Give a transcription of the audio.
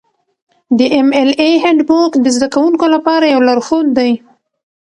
د ایم ایل اې هینډبوک د زده کوونکو لپاره یو لارښود دی.